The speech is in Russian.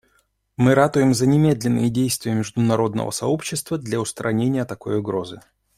Мы ратуем за немедленные действия международного сообщества для устранения такой угрозы.